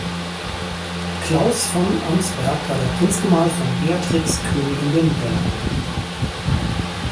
Claus von Amsberg war der Prinzgemahl von Beatrix, Königin der Niederlande.